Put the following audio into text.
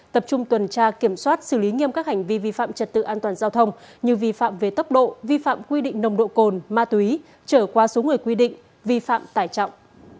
tập trung tuần tra kiểm soát xử lý nghiêm các hành vi vi phạm trật tự an toàn giao thông như vi phạm về tốc độ vi phạm quy định nồng độ cồn ma túy trở qua số người quy định vi phạm tải trọng